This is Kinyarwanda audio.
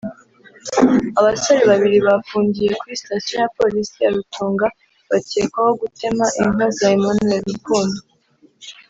Abasore babiri bafungiye kuri station ya Police ya Rutunga bakekwaho gutema inka za Emmanuel Rukundo